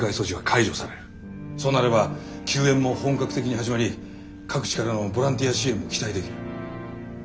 そうなれば救援も本格的に始まり各地からのボランティア支援も期待できる。